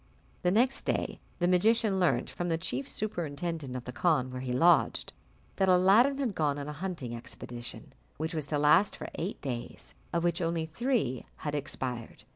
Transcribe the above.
The next day the magician learnt, from the chief superintendent of the khan where he lodged, that Aladdin had gone on a hunting expedition, which was to last for eight days, of which only three had expired.